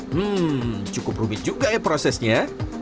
hmm cukup rumit juga ya prosesnya